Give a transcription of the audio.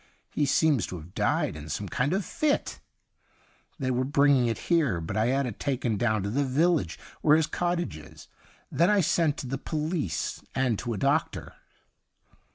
He seems to have died in some kind of a fit. They were bringing it here, but I had it taken down to the village where his cot tage is. Then I sent to the police and to a doctor.'